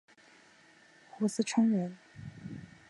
斛斯椿人。